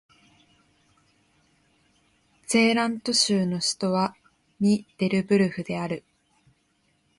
ゼーラント州の州都はミデルブルフである